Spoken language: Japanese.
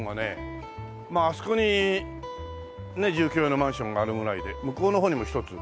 あそこにね住居用のマンションがあるぐらいで向こうの方にも一つ。